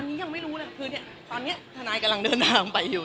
อันนี้ยังไม่รู้เลยคือเนี่ยตอนนี้ทนายกำลังเดินทางไปอยู่